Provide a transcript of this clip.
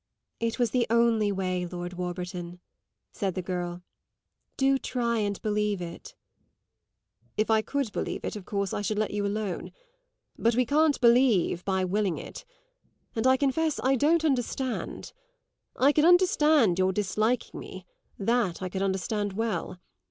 "It was the only way, Lord Warburton," said the girl. "Do try and believe that." "If I could believe it of course I should let you alone. But we can't believe by willing it; and I confess I don't understand. I could understand your disliking me; that I could understand well.